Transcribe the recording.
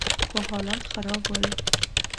خو حالات خراب ول.